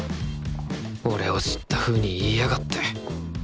俺を知ったふうに言いやがって。